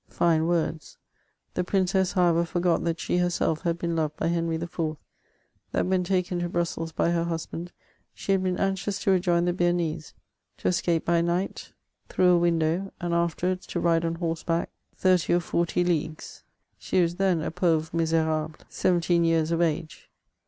Fine words ; the princess, how ever, forgot that she herself had been loved by Henry IV. ; that when taken to Brussels by her husband, she had been anxious to rejoin the Bearnese — to escape by night through a windowy and afterwards to ride on horseback thirty orfortj/ , leagues ; she was then a pauvre miserable, seventeen years oi age.